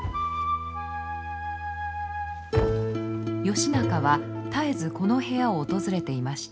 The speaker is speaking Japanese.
義仲は絶えずこの部屋を訪れていました。